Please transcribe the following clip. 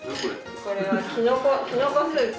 これはきのこスープ。